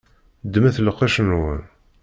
Ddmet lqec-nwen.